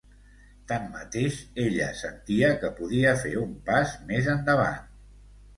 Tanmateix, ella sentia que podia fer un pas més endavant.